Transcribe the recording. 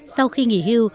sau khi nghỉ hưu